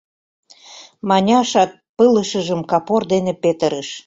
Маняшат пылышыжым капор дене петырыш.